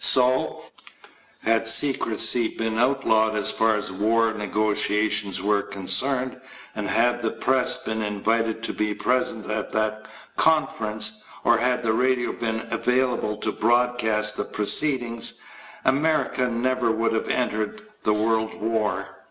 So ..." Had secrecy been outlawed as far as war negotiations were concerned, and had the press been invited to be present at that conference, or had radio been available to broadcast the proceedings, America never would have entered the World War.